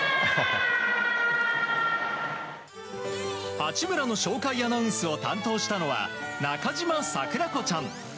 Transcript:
八村の紹介アナウンスを担当したのは中嶋桜子ちゃん。